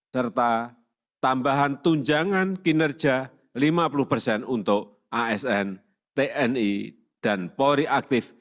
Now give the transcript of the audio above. serta tambahan tunjangan kinerja lima puluh persen untuk asn tni dan polri aktif